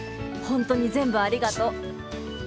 本当に全部ありがとう。